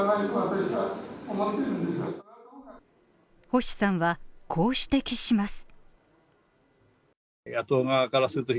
星さんは、こう指摘します。